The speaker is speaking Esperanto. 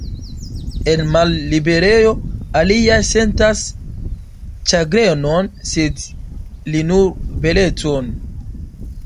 En malliberejo, aliaj sentas ĉagrenon, sed li, nur belecon.